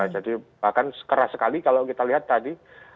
jadi bahkan keras sekali kalau kita lihat tadi